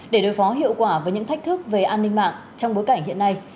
để đối phó hiệu quả với những thách thức về an ninh mạng trong bối cảnh hiện nay